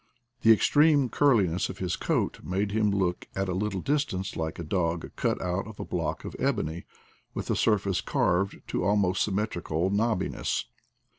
The extreme curliness of his coat made him look at a little distance like a dog cut out of a block of ebony, with the surface c&rved to almost symmetrical knobbiness.